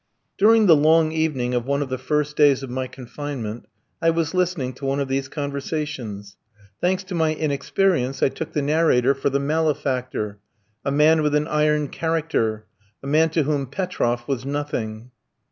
During the long evening of one of the first days of my confinement, I was listening to one of these conversations. Thanks to my inexperience I took the narrator for the malefactor, a man with an iron character, a man to whom Petroff was nothing.